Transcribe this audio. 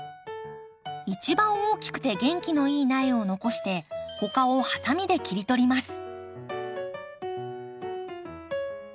一番大きくて元気のいい苗を残して他をハサミで切り取ります。